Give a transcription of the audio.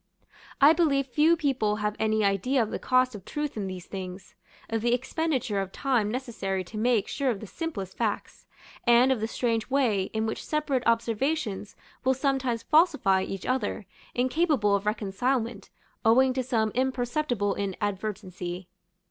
I believe few people have any idea of the cost of truth in these things; of the expenditure of time necessary to make sure of the simplest facts, and of the strange way in which separate observations will sometimes falsify each other, incapable of reconcilement, owing to some imperceptible inadvertency.